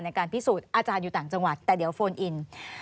ในการพิสูจน์อาจารย์อยู่ต่างจังหวัดแต่เดี๋ยวโฟนอิน